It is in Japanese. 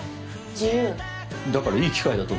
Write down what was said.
だからいい機会だと思うんだ。